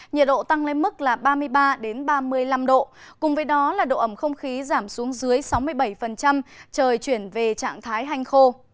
nhiệt độ tăng lên mức là ba mươi ba ba mươi năm độ cùng với đó là độ ẩm không khí giảm xuống dưới sáu mươi bảy trời chuyển về trạng thái hanh khô